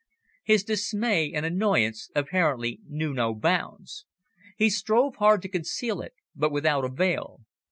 His dismay and annoyance apparently knew no bounds. He strove hard to conceal it, but without avail.